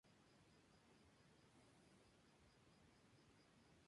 Las aletas pectorales son muy alargadas y las extienden en forma de abanico.